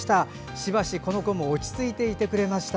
しばし、この子も落ち着いていてくれていました。